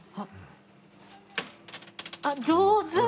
あっ上手！